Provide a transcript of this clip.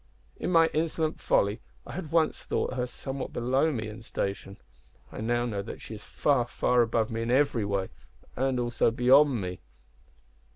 In my insolent folly I had once thought her somewhat below me in station. I now know that she is far, far above me in every way, and also beyond me."